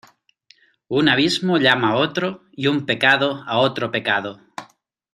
Un abismo llama a otro y un pecado a otro pecado.